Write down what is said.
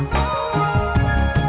nah sudah cryaltune